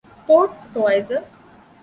ސްޕޯޓްސް ސްޕަރވައިޒަރ